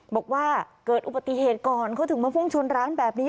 บอกว่าเกิดอุบัติเหตุก่อนเขาถึงมาพุ่งชนร้านแบบนี้